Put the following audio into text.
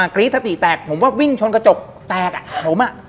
กรี๊ดสติแตกผมว่าวิ่งชนกระจกแตกอ่ะผมอ่ะ